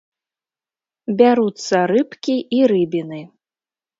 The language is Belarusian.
Бяруцца рыбкі і рыбіны.